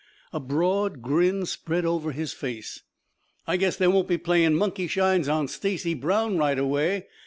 A broad grin spread over his face. "I guess they won't be playing monkeyshines on Stacy Brown right away.